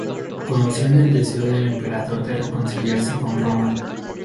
Conocían el deseo del emperador de reconciliarse con Roma.